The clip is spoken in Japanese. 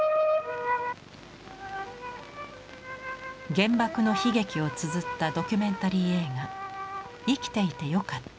原爆の悲劇をつづったドキュメンタリー映画「生きていてよかった」。